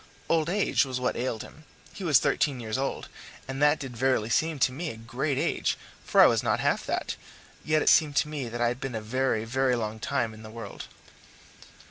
Old age was what ailed him he was thirteen years old, and that did verily seem to me a great age, for I was not half that, yet it seemed to me that I had been a very, very long time in the world.